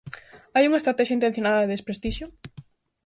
Hai unha estratexia intencionada de desprestixio?